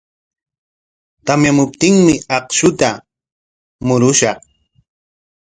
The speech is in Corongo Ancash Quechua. Tamyamuptinmi akshuta murushaq.